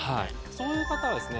そういう方はですね